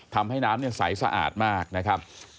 ทำให้น้ำใสสะอาดมากนะครับ